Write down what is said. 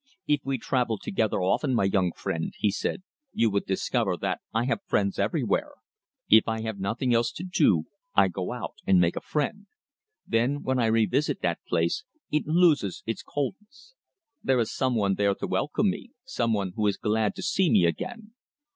"If we travelled together often, my young friend," he said, "you would discover that I have friends everywhere. If I have nothing else to do, I go out and make a friend. Then, when I revisit that place, it loses its coldness. There is some one there to welcome me, some one who is glad to see me again.